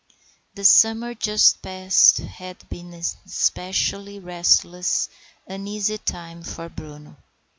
The summer just past had been an especially restless, uneasy time for Bruno.